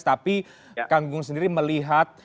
tapi kang gunggun sendiri melihat